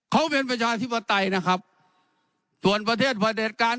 เขาเป็นประชาธิปไตยนะครับส่วนประเทศพระเด็จการ